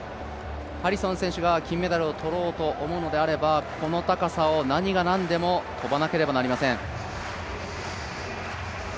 ハリソン選手が金メダルを取ろうと思うのであれば、この高さを何が何でも跳ばなければなりません。